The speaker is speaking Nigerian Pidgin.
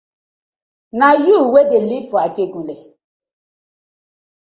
Na yu dey wey dey live for ajegunle.